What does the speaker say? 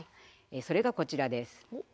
それがこちらです。